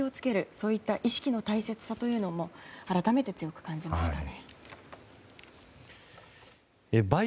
そういった意識の大切さも改めて強く感じましたね。